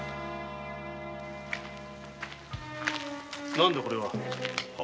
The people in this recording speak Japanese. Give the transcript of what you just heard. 何だこれは？